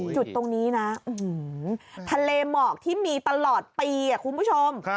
จุดตรงนี้นะทะเลหมอกที่มีตลอดปีคุณผู้ชม